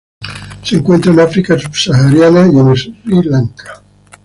Se encuentra en África subsahariana y en Sri Lanka.